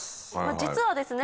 実はですね